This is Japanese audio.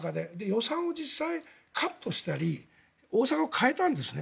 予算を実際にカットしたり大阪、変えたんですね。